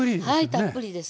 たっぷりです。